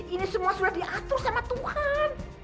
ini semua sudah diatur sama tuhan